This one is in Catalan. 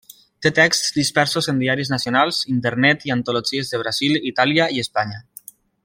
Té texts dispersos en diaris nacionals, internet i antologies de Brasil, Itàlia i Espanya.